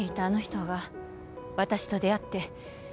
あの人が私と出会って